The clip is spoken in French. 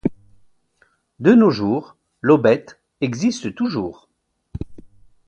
De nos jours, l'aubette existe toujours.